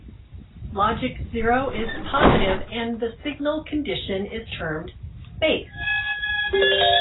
Logic zero is positive and the signal condition is termed "space".